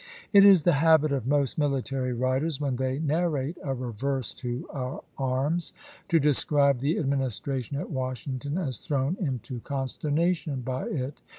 It is the habit of most military writers, when they narrate a reverse to our arms, to describe the Ad ministration at "Washington as thrown into conster nation by it.